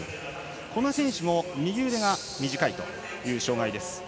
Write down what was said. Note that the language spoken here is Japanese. この選手も右腕が短いという障がいです。